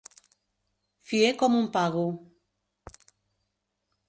Fier com un pago.